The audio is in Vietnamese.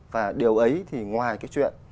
và điều ấy thì ngoài cái chuyện